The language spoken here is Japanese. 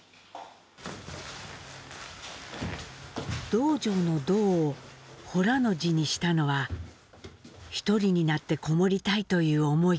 「洞場」の「洞」を「洞」の字にしたのは１人になって籠もりたいという思いから。